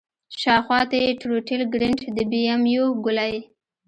شاوخوا ته يې ټروټيل ګرنېټ د بي ام يو ګولۍ.